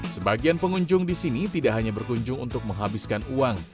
sebagian pengunjung di sini tidak hanya berkunjung untuk menghabiskan uang